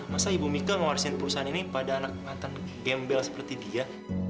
jadi ibu mika mewarisiin perusahaan ini pada anak mantan gembel seperti dia